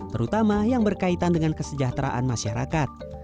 terutama yang berkaitan dengan kesejahteraan masyarakat